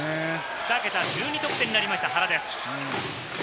２桁１２得点になりました原です。